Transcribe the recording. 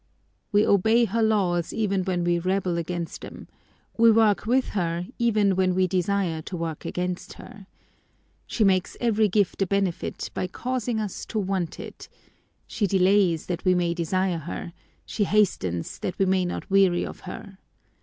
We obey her laws even when we rebel against them ; we work with her even when we desire to work against her. She makes every gift a benefit by causing us to want it. She delays, that we may desire her; she hastens, that we may not weary of her.